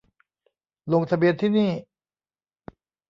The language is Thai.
ลงทะเบียนที่นี่